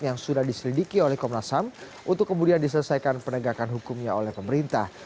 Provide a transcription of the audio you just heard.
yang sudah diselidiki oleh komnas ham untuk kemudian diselesaikan penegakan hukumnya oleh pemerintah